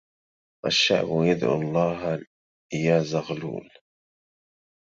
الشعب يدعو الله يا زغلول